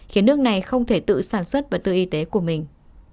khiến nước này không thể tự sản xuất và tự y tế của mình